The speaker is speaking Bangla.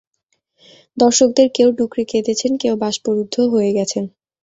দর্শকদের কেউ ডুকরে কেঁদেছেন, কেউ বাষ্পরুদ্ধ হয়ে গেছেন।